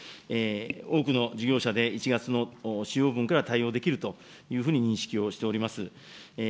多くの事業者で１月の使用分から対応できるというふうに認識をしております。